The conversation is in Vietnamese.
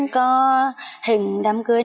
có hình đám cưới